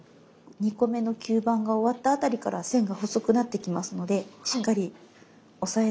２個目の吸盤が終わった辺りから線が細くなってきますのでしっかり押さえながら丁寧に切っていって下さい。